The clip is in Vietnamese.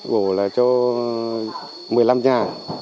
gồ là cho một mươi năm nhà